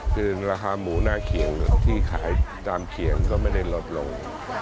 คือราคาหมูหน้าเขียงที่ขายตามเขียงก็ไม่ได้ลดลง